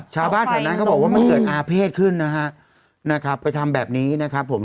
ชาวบ้านแถวนั้นเขาบอกว่ามันเกิดอาเภษขึ้นนะฮะนะครับไปทำแบบนี้นะครับผม